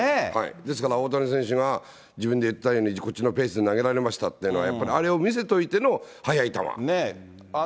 ですから大谷選手が、自分で言ったように、こっちのペースで投げられましたっていうのは、やっぱりあれを見せといての、速い球。